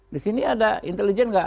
di sini ada intelijen